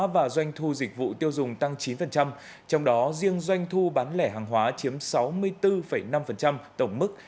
và doanh thu dịch vụ tiêu dùng tăng chín trong đó riêng doanh thu bán lẻ hàng hóa chiếm sáu mươi bốn năm tổng mức